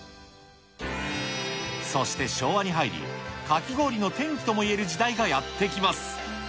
そして昭和に入り、かき氷の転機ともいえる時代がやって来ます。